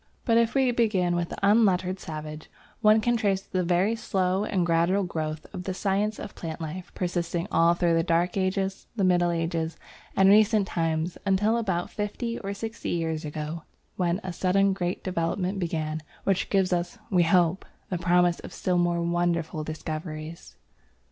But if we begin with the unlettered savage, one can trace the very slow and gradual growth of the science of plant life persisting all through the Dark Ages, the Middle Ages, and recent times, until about fifty or sixty years ago, when a sudden great development began, which gives us, we hope, the promise of still more wonderful discoveries.